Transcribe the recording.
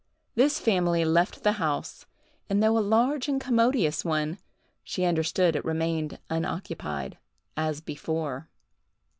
This family left the house, and though a large and commodious one, she understood it remained unoccupied, as before.